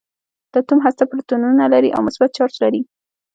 د اتوم هسته پروتونونه لري او مثبت چارج لري.